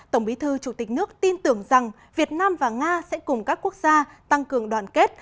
tổng bí thư chủ tịch nước tin tưởng rằng việt nam và nga sẽ cùng các quốc gia tăng cường đoàn kết